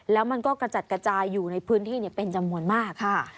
แล้วมันก็กระจัดกระจายอยู่ในพื้นที่เป็นจำนวนมาก